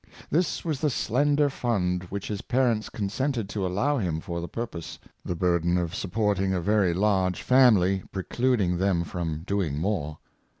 This was the slender fund which his parents consented to allow him for the purpose ; the burden of supporting a very large family precluding them from doing more.